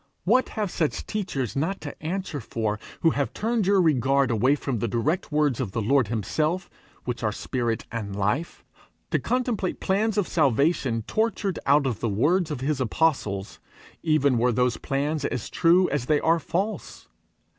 What have such teachers not to answer for who have turned your regard away from the direct words of the Lord himself, which are spirit and life, to contemplate plans of salvation tortured out of the words of his apostles, even were those plans as true as they are false!